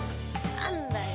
何だよ